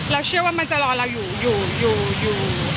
เชื่อว่ามันจะรอเราอยู่